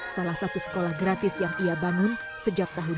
salah satu sekolah gratis yang ia bangun sejak tahun dua ribu